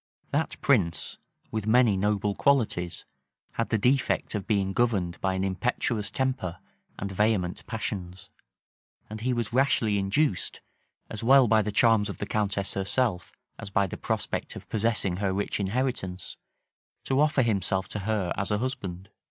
That prince, with many noble qualities had the defect of being governed by an impetuous temper and vehement passions; and he was rashly induced, as well by the charms of the countess herself, as by the prospect of possessing her rich inheritance, to offer himself to her as a husband.